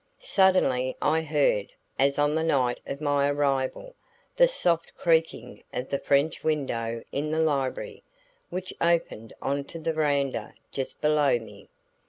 Suddenly I heard, as on the night of my arrival, the soft creaking of the French window in the library, which opened on to the veranda just below me.